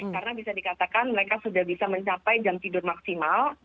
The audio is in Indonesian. karena bisa dikatakan mereka sudah bisa mencapai jam tidur maksimal